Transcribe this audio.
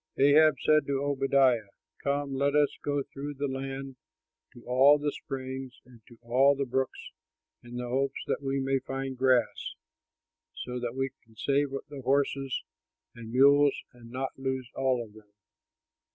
Ahab said to Obadiah, "Come, let us go through the land to all the springs and to all the brooks, in the hope that we may find grass, so that we can save the horses and mules and not lose all of them."